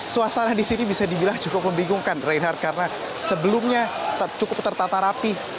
suasana di sini bisa dibilang cukup membingungkan reinhardt karena sebelumnya cukup tertata rapi